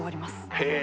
へえ。